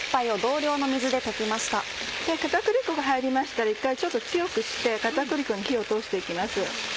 片栗粉が入りましたら一回ちょっと強くして片栗粉に火を通して行きます。